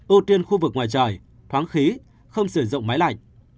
ưu tiên khu vực ngoài trời thoáng khí không sử dụng máy lạnh